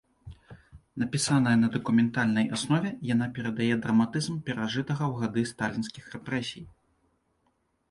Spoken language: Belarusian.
Напісаная на дакументальнай аснове, яна перадае драматызм перажытага ў гады сталінскіх рэпрэсій.